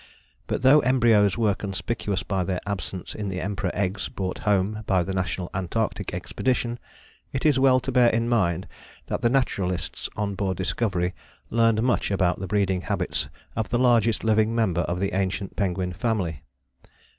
But though embryos were conspicuous by their absence in the Emperor eggs brought home by the National Antarctic Expedition, it is well to bear in mind that the naturalists on board the Discovery learned much about the breeding habits of the largest living member of the ancient penguin family.